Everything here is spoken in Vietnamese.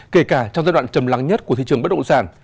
kể cả trong giai đoạn trầm lắng nhất của thị trường bất động sản